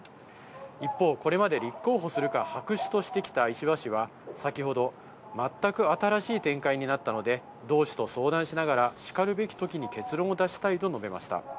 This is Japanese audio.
一方、これまで立候補するか白紙としてきた石破氏は、先ほど全く新しい展開になったので、同志と相談しながら、しかるべきときに結論を出したいと述べました。